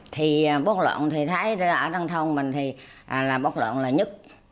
thì bốc lộn thì thấy ở trang thông mình thì bốc lộn là nhất